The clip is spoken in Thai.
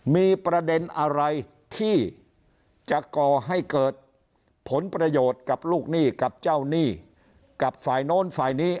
มีประเด็นอะไรที่จะก่อให้เกิดผลประโยชน์กับลูกหนี้กับเจ้าหนี้กับฝ่ายโน้นฝ่ายนี้